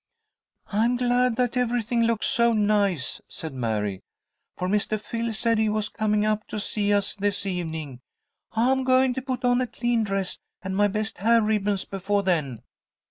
"I'm glad that everything looks so nice," said Mary, "for Mr. Phil said he was coming up to see us this evening. I'm going to put on a clean dress and my best hair ribbons before then."